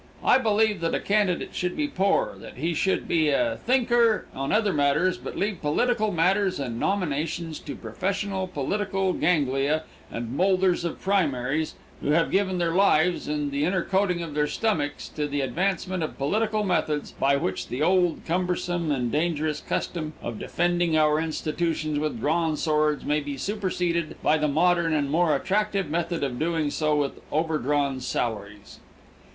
I believe that a candidate should be poor; that he should be a thinker on other matters, but leave political matters and nominations to professional political ganglia and molders of primaries who have given their lives and the inner coating of their stomachs to the advancement of political methods by which the old, cumbersome and dangerous custom of defending our institutions with drawn swords may be superseded by the modern and more attractive method of doing so with overdrawn salaries.